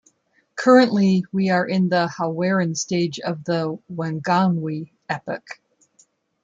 Currently, we are in the Haweran stage of the Wanganui epoch.